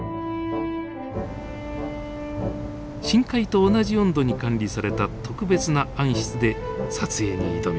深海と同じ温度に管理された特別な暗室で撮影に挑みます。